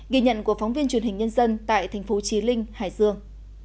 ghi nhận của phóng viên truyền hình nhân dân tại tp chí linh hải dương